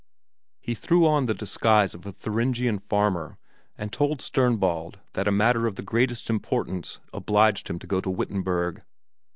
He threw on the disguise of a Thuringian farmer and told Sternbald that a matter of the greatest importance obliged him to go to Wittenberg.